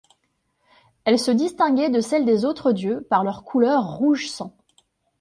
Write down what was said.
Elles se distinguaient de celles des autres dieux par leur couleur rouge sang.